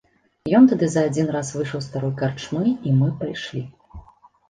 Ён тады за адзін раз выйшаў з старой карчмы, і мы пайшлі.